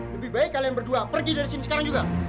lebih baik kalian berdua pergi dari sini sekarang juga